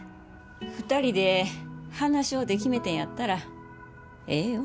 ２人で話し合うて決めてんやったらええよ。